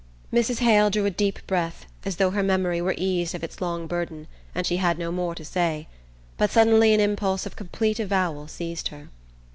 Mrs. Hale drew a deep breath, as though her memory were eased of its long burden, and she had no more to say; but suddenly an impulse of complete avowal seized her.